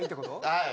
はい。